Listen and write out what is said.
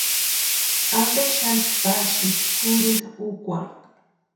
¿Ampe xani pasíni kurhinta úkwarhu?